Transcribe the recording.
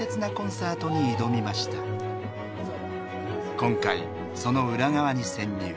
今回その裏側に潜入。